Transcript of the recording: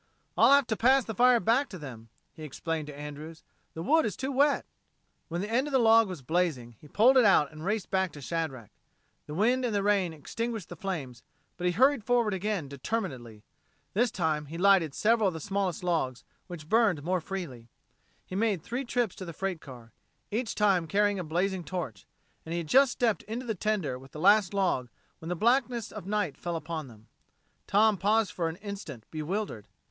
"I'll have to pass the fire back to them," he explained to Andrews. "The wood is too wet." When the end of the log was blazing, he pulled it out and raced back to Shadrack. The wind and the rain extinguished the flames, but he hurried forward again determinedly. This time he lighted several of the smallest logs, which burned more freely. He made three trips to the freight car, each time carrying a blazing torch, and he had just stepped into the tender with the last log when the blackness of night fell upon them. Tom paused for an instant bewildered.